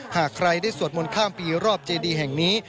หากใครได้สวดมนต์ข้ามปีรอบเจดีแห่งนี้